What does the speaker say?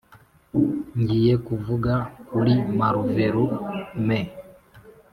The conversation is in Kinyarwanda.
ngiye kuvuga kuri marvelous me!